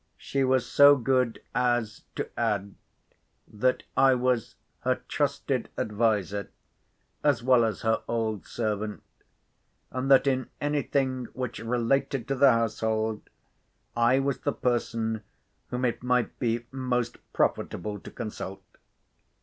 She was so good as to add, that I was her trusted adviser, as well as her old servant, and that in anything which related to the household I was the person whom it might be most profitable to consult.